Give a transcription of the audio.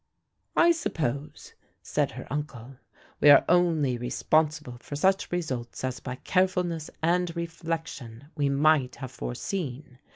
"I suppose," said her uncle, "we are only responsible for such results as by carefulness and reflection we might have foreseen.